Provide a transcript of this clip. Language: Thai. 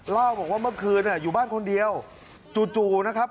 เล่าบอกว่าเมื่อคืนอยู่บ้านคนเดียวจู่นะครับ